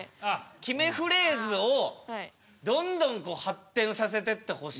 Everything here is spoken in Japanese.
決めフレーズをどんどんこう発展させてってほしい。